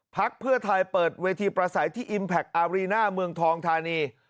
พักเพื่อไทยเปิดเวทีประสัยที่อิมแพคอารีน่าเมืองทองธานี